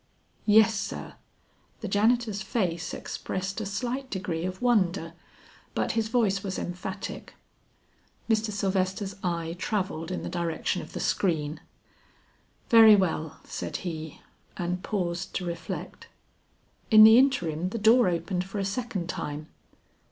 "Yes sir." The janitor's face expressed a slight degree of wonder, but his voice was emphatic. Mr. Sylvester's eye travelled in the direction of the screen. "Very well," said he; and paused to reflect. In the interim the door opened for a second time.